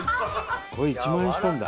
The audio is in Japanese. これ１万円したんだ。